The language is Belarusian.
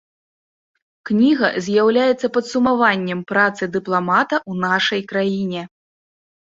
Кніга з'яўляецца падсумаваннем працы дыпламата ў нашай краіне.